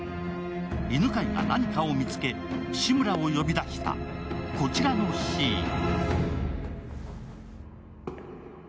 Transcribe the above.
犬飼が何かを見つけ、志村を呼び出したこちらのシーン。